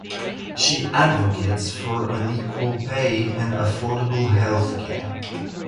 She advocates for an equal pay and affordable health care.